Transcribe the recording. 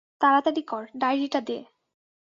তাড়াতাড়ি কর, ডায়রিটা দে।